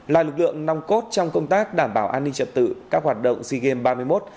là lực lượng nòng cốt trong công tác đảm bảo an ninh trật tự các hoạt động sea games ba mươi một